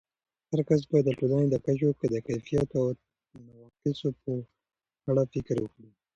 هرکس باید د ټولنې د کچو د کیفیاتو او نواقصو په اړه فکر وکړي.